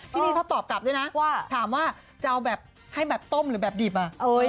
พี่นี่เขาตอบกลับด้วยนะว่าถามว่าจะเอาแบบให้แบบต้มหรือแบบดิบอ่ะ